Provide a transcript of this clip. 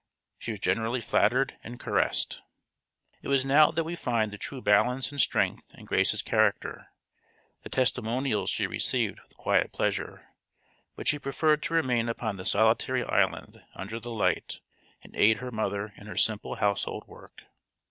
She was generally flattered and caressed. It was now that we find the true balance and strength in Grace's character. The testimonials she received with quiet pleasure. But she preferred to remain upon the solitary island under the light, and aid her mother in her simple household work.